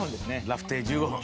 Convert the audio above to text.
ラフテー１５分。